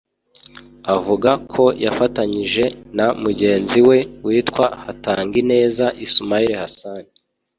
avuga ko yafatanyije na mugenzi we witwa Hatangineza Ismael Hassan